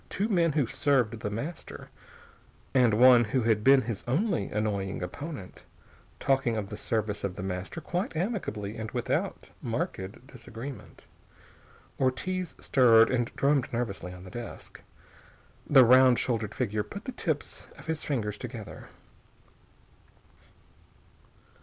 Two men who served The Master, and one who had been his only annoying opponent, talking of the service of The Master quite amicably and without marked disagreement. Ortiz stirred and drummed nervously on the desk. The round shouldered figure put the tips of its fingers together.